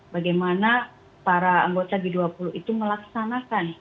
bagaimana para anggota g dua puluh itu melaksanakan